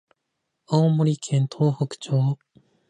青森県東北町